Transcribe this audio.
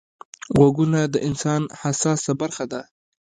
غوږونه د انسان حساسه برخه ده